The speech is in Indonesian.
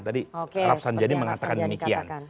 tadi rafsan jadi mengatakan demikian